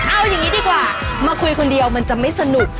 เอาอย่างนี้ดีกว่ามาคุยคนเดียวมันจะไม่สนุก